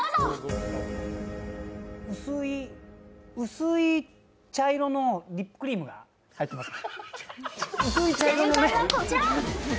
薄い茶色のリップクリームが入ってます。